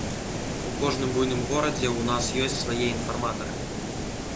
У кожным буйным горадзе ў нас ёсць свае інфарматары.